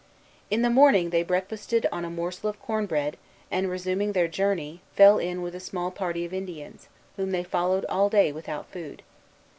In the morning they breakfasted on a morsel of corn bread, and, resuming their journey, fell in with a small party of Indians, whom they followed all day without food.